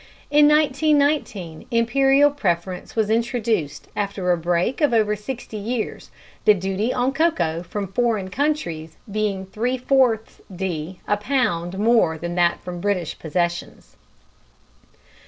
In 1919 Imperial preference was introduced after a break of over sixty years, the duty on cocoa from foreign countries being 3/4d. a pound more than that from British Possessions.